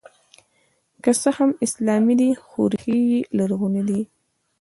که څه هم اسلامي دی خو ریښې یې لرغونې دي